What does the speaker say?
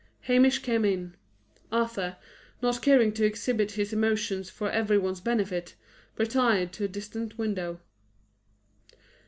Hamish came in. Arthur, not caring to exhibit his emotion for every one's benefit, retired to a distant window.